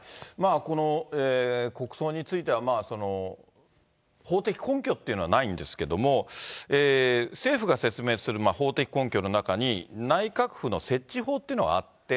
この国葬については、法的根拠っていうのはないんですけども、政府が説明する法的根拠の中に、内閣府の設置法っていうのがあって。